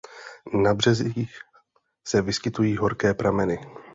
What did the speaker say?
Na březích se vyskytují horké prameny.